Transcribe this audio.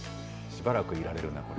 しばらくいられるな。